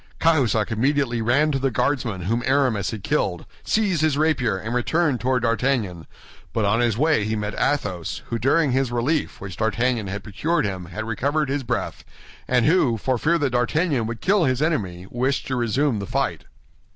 Cahusac immediately ran to the Guardsman whom Aramis had killed, seized his rapier, and returned toward D'Artagnan; but on his way he met Athos, who during his relief which D'Artagnan had procured him had recovered his breath, and who, for fear that D'Artagnan would kill his enemy, wished to resume the fight.